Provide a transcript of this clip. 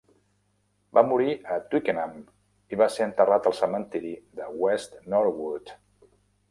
Va morir a Twickenham i va ser enterrat al cementiri de West Norwood.